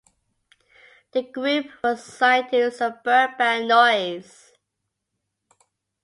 The group was signed to Suburban Noize.